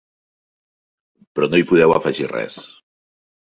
Però no hi podeu afegir res.